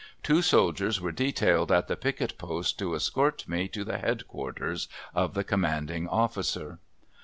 Two soldiers were detailed at the picket post to escort me to the headquarters of the commanding officer.